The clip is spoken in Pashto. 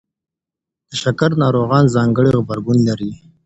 د شکر ناروغان ځانګړی غبرګون لري.